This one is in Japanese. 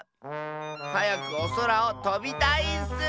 はやくおそらをとびたいッス！